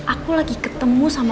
aku lagi ketemu sama